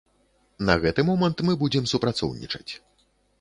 На гэты момант мы будзем супрацоўнічаць.